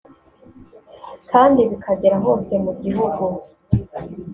kandi bikagera hose mu gihugu